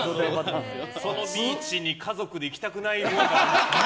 そのビーチに家族で行きたくないな。